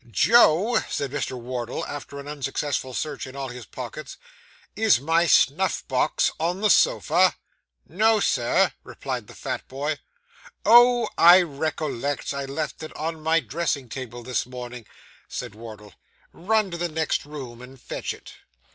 'Joe,' said Mr. Wardle, after an unsuccessful search in all his pockets, 'is my snuff box on the sofa?' 'No, sir,' replied the fat boy. 'Oh, I recollect; I left it on my dressing table this morning,' said Wardle. 'Run into the next room and fetch it.